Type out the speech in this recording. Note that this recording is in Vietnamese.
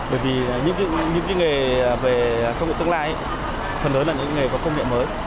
bởi vì những nghề về công nghệ tương lai phần lớn là những nghề có công nghệ mới